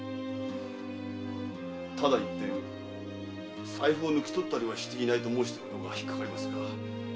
ただ一点「財布を抜き取ったりはしていない」と申しておるのが引っかかりますが。